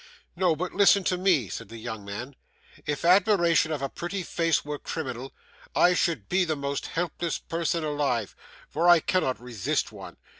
'No, but listen to me,' said the young man. 'If admiration of a pretty face were criminal, I should be the most hopeless person alive, for I cannot resist one.